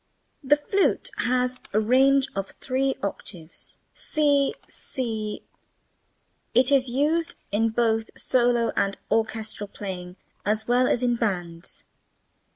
The flute has a range of three octaves. [Illustration: c' c''''] It is used in both solo and orchestral playing as well as in bands.